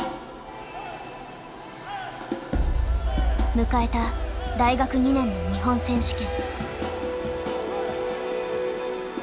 迎えた大学２年の日本選手権。